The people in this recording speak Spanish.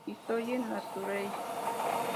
Histoire naturelle.